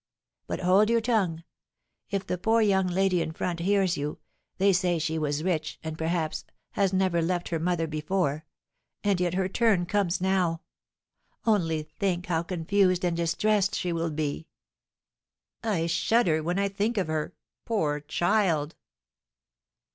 But hold your tongue; if the poor young lady in front hears you they say she was rich, and, perhaps, has never left her mother before, and yet her turn comes now. Only think how confused and distressed she will be." "I shudder when I think of her! Poor child!"